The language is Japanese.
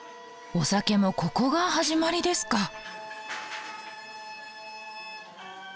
お酒もここが始まりですか。